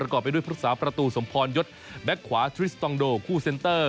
ไปด้วยภึกษาประตูสมพรยศแบ็คขวาทริสตองโดคู่เซ็นเตอร์